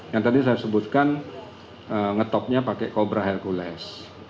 yang tadi saya sebutkan ngetopnya pakai kobra hercules